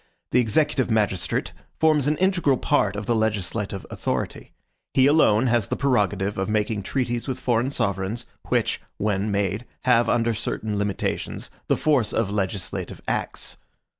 The executive magistrate forms an integral part of the legislative authority. He alone has the prerogative of making treaties with foreign sovereigns, which, when made, have, under certain limitations, the force of legislative acts.